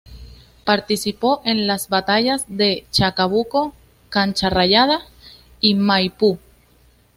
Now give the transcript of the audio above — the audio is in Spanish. Participó en las batallas de Chacabuco, Cancha Rayada y Maipú.